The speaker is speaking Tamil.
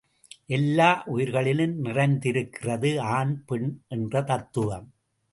எல்லா உயிர்களிலும் நிறைந்திருக்கிறது ஆண், பெண் என்ற தத்துவம்.